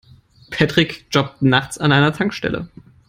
Patrick jobbt nachts an einer Tankstelle.